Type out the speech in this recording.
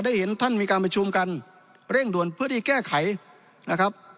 เห็นท่านมีการประชุมกันเร่งด่วนเพื่อที่แก้ไขนะครับ